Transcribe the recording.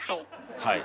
はい。